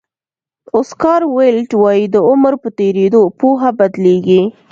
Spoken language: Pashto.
اوسکار ویلډ وایي د عمر په تېرېدو پوهه بدلېږي.